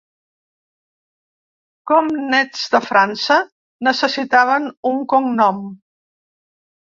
Com nets de França, necessitaven un cognom.